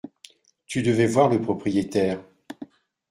Tu devais voir le propriétaire.